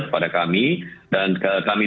kepada kami dan kami